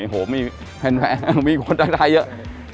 โหไม่แผ่นแผ่นมีคนต่างเยอะ